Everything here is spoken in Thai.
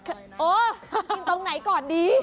โอ๊ะต้องกินตรงไหนก่อนดี